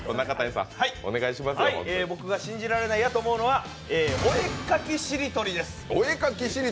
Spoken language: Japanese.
僕が信じられないやと思うものはお絵描きしりとりです。